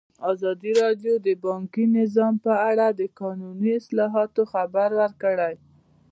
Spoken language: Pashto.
ازادي راډیو د بانکي نظام په اړه د قانوني اصلاحاتو خبر ورکړی.